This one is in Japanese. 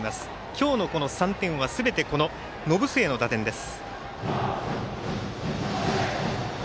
今日の３点はすべて延末の打点です。